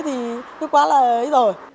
thì quá là ít rồi